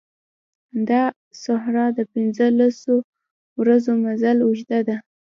دا صحرا د پنځه لسو ورځو مزل اوږده ده.